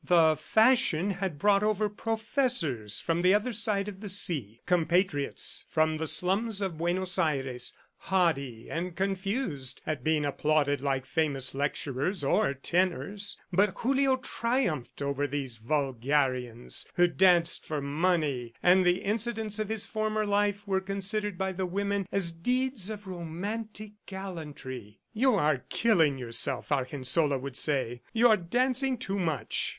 The fashion had brought over professors from the other side of the sea, compatriots from the slums of Buenos Aires, haughty and confused at being applauded like famous lecturers or tenors; but Julio triumphed over these vulgarians who danced for money, and the incidents of his former life were considered by the women as deeds of romantic gallantry. "You are killing yourself," Argensola would say. "You are dancing too much."